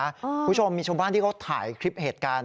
คุณผู้ชมมีชาวบ้านที่เขาถ่ายคลิปเหตุการณ์